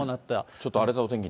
ちょっと荒れたお天気に。